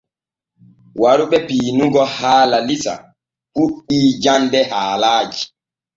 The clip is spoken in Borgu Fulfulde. Waru ɓe piinugo haala Iisa puɗɗi jande haalaaji.